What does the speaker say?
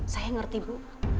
saya ngerti bu